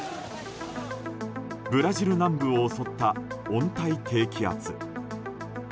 ブラジル南部を襲った温帯低気圧。